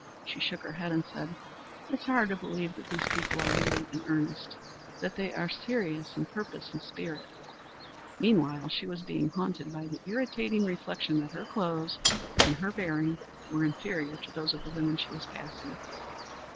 She shook her head and said, "It's hard to believe that these people are really in earnest; that they are serious in purpose and spirit." Meanwhile she was being haunted by the irritating reflection that her clothes and her bearing were inferior to those of the women she was passing.